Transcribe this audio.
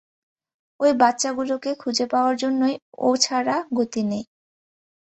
ঐ বাচ্চাগুলোকে খুঁজে পাওয়ার জন্যই ও ছাড়া গতি নেই।